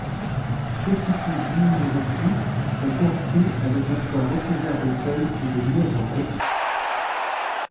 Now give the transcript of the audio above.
Chettikudiyiruppu est construit avec un toit recouvert de feuilles et des murs en briques.